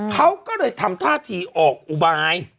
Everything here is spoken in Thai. เขาก็เลยทำท่าทีออกอุบาย